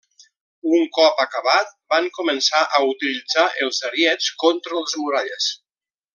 Un cop acabat, van començar a utilitzar els ariets contra les muralles.